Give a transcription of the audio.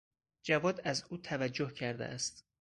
جواد از او توجه کرده است.